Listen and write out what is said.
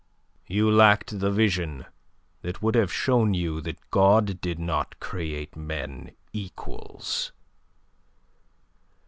You lacked the vision that would have shown you that God did not create men equals.